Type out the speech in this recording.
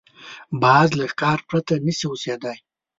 باز له ښکار پرته نه شي اوسېدای